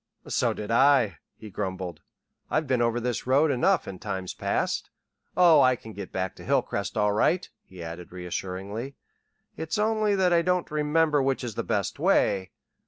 "So did I," he grumbled. "I've been over this road enough in times past. Oh, I can get back to Hilcrest all right," he added reassuringly. "It's only that I don't remember which is the best way.